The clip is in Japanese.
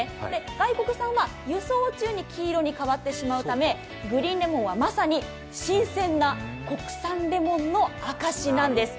外国産は輸送中に黄色に変わってしまうためグリーンレモンはまさに新鮮な国産レモンの証しなんです。